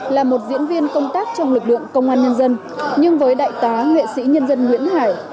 là một diễn viên công tác trong lực lượng công an nhân dân nhưng với đại tá nghệ sĩ nhân dân nguyễn hải